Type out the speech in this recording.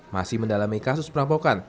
masih mendalami kasus perampokan